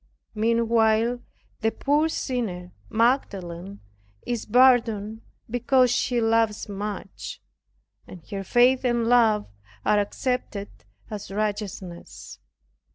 Meanwhile the poor sinner, Magdalene, is pardoned because she loves much, and her faith and love are accepted as righteousness.